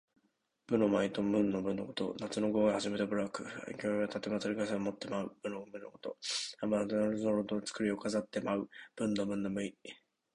武の舞と文の舞のこと。夏の禹王が始めた舞楽。「干戚」はたてとまさかりを持って舞う、武の舞のこと。「羽旄」は雉の羽と旄牛の尾で作った飾りを持って舞う、文の舞の意。